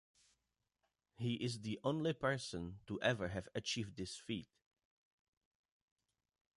He is the only person to ever have achieved this feat.